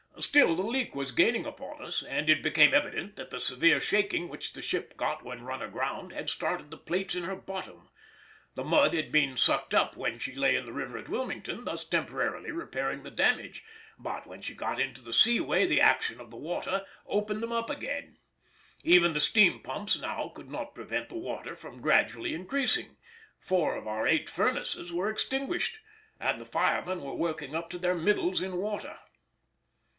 Still, the leak was gaining upon us, and it became evident that the severe shaking which the ship got when run aground had started the plates in her bottom. The mud had been sucked up when she lay in the river at Wilmington, thus temporarily repairing the damage; but when she got into the sea way the action of the water opened them again. Even the steam pumps now could not prevent the water from gradually increasing; four of our eight furnaces were extinguished, and the firemen were working up to their middles in water.